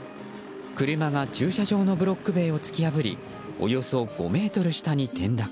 車が駐車場のブロック塀を突き破りおよそ５ｍ下に転落。